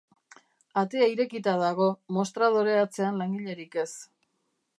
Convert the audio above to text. Atea irekita dago, mostradore atzean langilerik ez.